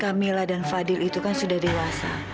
camilla dan fadil itu kan sudah dewasa